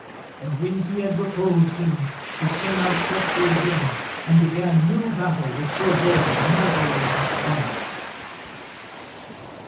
And when he had reposed him he came out freshly again, and began new battle with Sir Bors mightily and strongly.